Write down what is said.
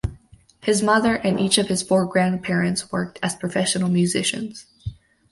His mother and each of his four grandparents worked as professional musicians.